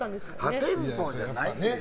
破天荒じゃないって。